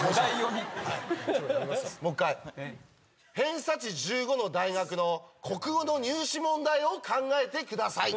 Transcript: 偏差値１５の大学の国語の入試問題を考えてください。